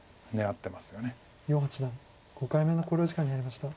余八段５回目の考慮時間に入りました。